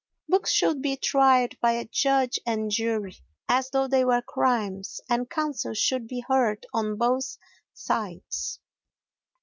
Books should be tried by a judge and jury as though they were crimes, and counsel should be heard on both sides.